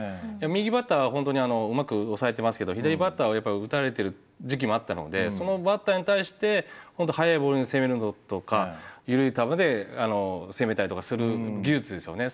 右バッターは本当にうまく抑えてますけど左バッターはやっぱり打たれてる時期もあったのでそのバッターに対して本当速いボールで攻めるのとか緩い球で攻めたりとかする技術ですよね